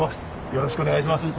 よろしくお願いします。